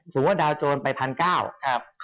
หรือว่าดาวโจรไปพันเก้า